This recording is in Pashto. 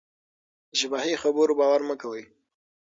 په شفاهي خبرو باور مه کوئ.